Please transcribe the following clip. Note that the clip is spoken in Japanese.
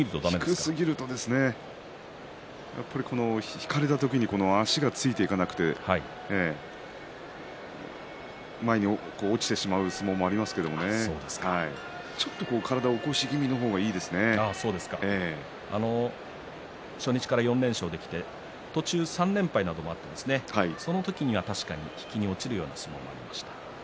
低すぎると引かれた時に足がついていかなくて前に落ちてしまう相撲がありますけどちょっと体を起こし気味の方が初日から４連勝できて途中３連敗などもあってその時には確かに引きに落ちるような相撲がありました。